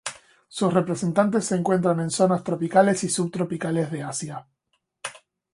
Sus representantes se encuentran en zonas tropicales y subtropicales de Asia.